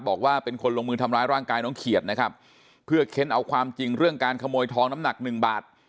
บอกว่าเป็นคนลงมือทำร้ายร่างกายน้องเขียดนะครับเพื่อเค้นเอาความจริงเรื่องการขโมยทองน้ำหนักหนึ่งบาท